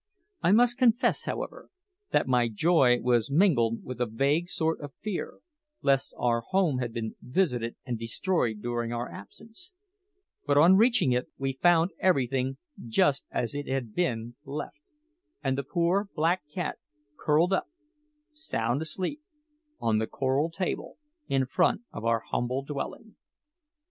I must confess, however, that my joy was mingled with a vague sort of fear lest our home had been visited and destroyed during our absence; but on reaching it we found everything just as it had been left, and the poor black cat curled up, sound asleep, on the coral table in front of our humble dwelling.